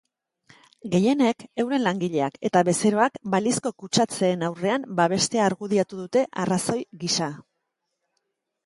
Gehienek euren langileak eta bezeroak balizko kutsatzeen aurrean babestea argudiatu dute arrazoi gisa.